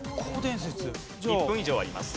１分以上あります。